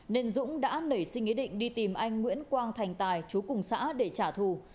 nên dũng đã nảy sinh ý định đi tìm anh nguyễn quang thành tài chú cùng xã để trả thù